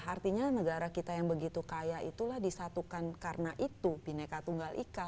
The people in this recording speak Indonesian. artinya negara kita yang begitu kaya itulah disatukan karena itu bineka tunggal ika